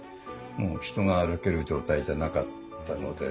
もう人が歩ける状態じゃなかったので。